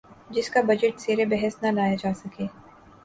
جس کا بجٹ زیربحث نہ لایا جا سکے